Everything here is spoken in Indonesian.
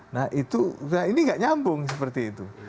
nah itu ini nggak nyambung seperti itu